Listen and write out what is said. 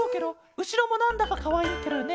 うしろもなんだかかわいいケロよね。